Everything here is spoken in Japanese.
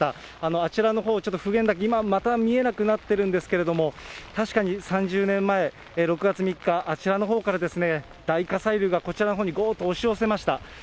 あちらのほう、ちょっと普賢岳、今また見えなくなってるんですけども、確かに３０年前、６月３日、あちらのほうからですね、大火砕流がこちらのほうにごーっと押し寄せました。